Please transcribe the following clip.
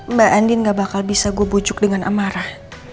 mbak andin gak bakal bisa gue bujuk dengan amarah